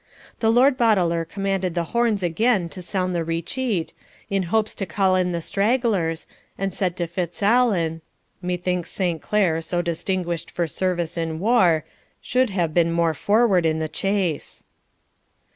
The Lord Boteler commanded the horns again to sound the recheat, in hopes to call in the stragglers, and said to Fitzallen, 'Methinks Saint Clere so distinguished for service in war, should have been more forward in the chase.'